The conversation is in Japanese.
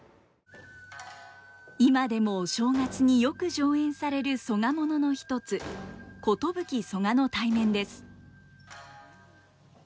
今でもお正月によく上演される曽我ものの一つ「寿曽我対面」です。